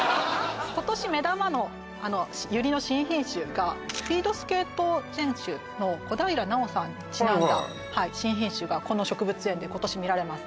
今年目玉のユリの新品種がスピードスケート選手の小平奈緒さんにちなんだ新品種がこの植物園で今年見られます